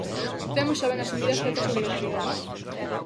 Temos xa ben asumidas certas obrigatoriedades.